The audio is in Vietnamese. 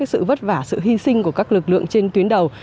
sự vất vả sự hy sinh của các lực lượng trên tuyến đầu